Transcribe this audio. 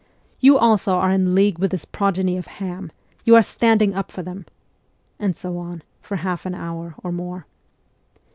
' You also are in league with this progeny of Ham ; you are standing up for them ;' and so on, for half an hour or more.